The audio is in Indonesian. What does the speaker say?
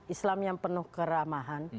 islam yang penuh keramahan